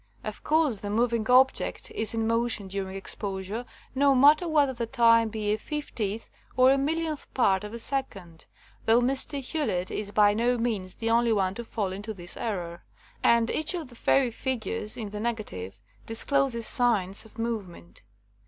Of course the moving object is in motion during exposure, no matter whether the time be a fiftieth or a millionth part of a second, though Mr. Hewlett is by no means the only one to fall into this error. And each of the fairy figures in the negative discloses signs of movement.